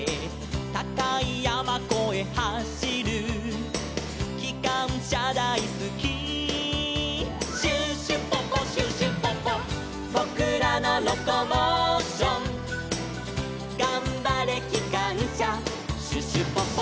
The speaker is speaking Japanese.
「たかいやまこえはしる」「きかんしゃだいすき」「シュシュポポシュシュポポ」「ぼくらのロコモーション」「がんばれきかんしゃシュシュポポ」